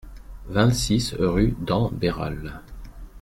vingt-six rue d'En Béral